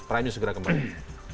prime news segera kembali